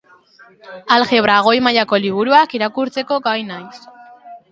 Aljebra goi-mailako liburuak irakurtzeko gai naiz.